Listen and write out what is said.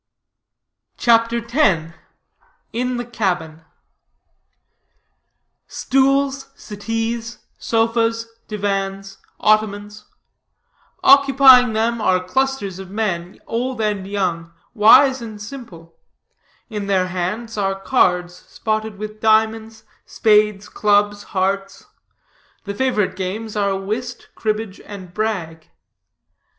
CHAPTER X. IN THE CABIN. Stools, settees, sofas, divans, ottomans; occupying them are clusters of men, old and young, wise and simple; in their hands are cards spotted with diamonds, spades, clubs, hearts; the favorite games are whist, cribbage, and brag.